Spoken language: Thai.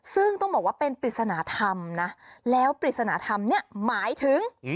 ซึ่งต้องบอกว่าเป็นปริศนธรรมนะแล้วปริศนธรรมเนี่ยหมายถึง